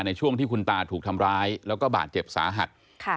ในช่วงที่คุณตาถูกทำร้ายแล้วก็บาดเจ็บสาหัส